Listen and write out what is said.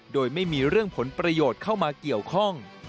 โดยไม่มีเรื่องผลประโยชน์เข้ามาเกี่ยวข้อง